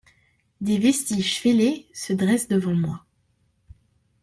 Des vestiges fêlés se dressent devant moi.